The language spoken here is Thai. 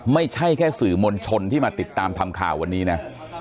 ไม่ใช่แค่สื่อมวลชนที่มาติดตามทำข่าววันนี้นะ